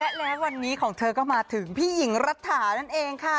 และแล้ววันนี้ของเธอก็มาถึงพี่หญิงรัฐานั่นเองค่ะ